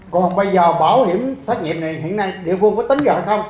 còn bây giờ bảo hiểm thất nghiệp này hiện nay địa phương có tính rồi hay không